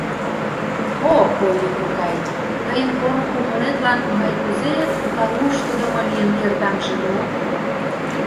— О, Полли кокай, тыйын поро кумылетлан мый кузе тауштыдымо лийын кертамже, ну!